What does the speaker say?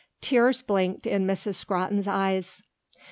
Tears blinked in Miss Scrotton's eyes.